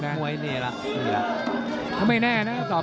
เจอไอนานยาไม่พอต้องกดคำนั้นแหละครับ